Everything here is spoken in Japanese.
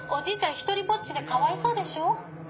ひとりぼっちでかわいそうでしょ」。